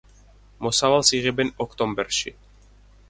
მოსავალს იღებენ ოქტომბერში.